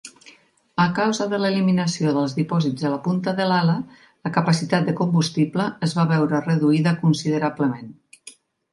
A causa de l'eliminació dels dipòsits de la punta de l'ala, la capacitat de combustible es va veure reduïda considerablement.